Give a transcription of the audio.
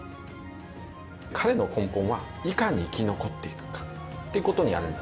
彼の根本はいかに生き残っていくかってことにあるんだと思いますね。